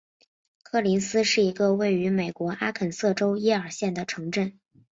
科林斯是一个位于美国阿肯色州耶尔县的城镇。